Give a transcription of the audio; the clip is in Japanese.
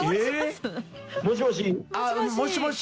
もしもし？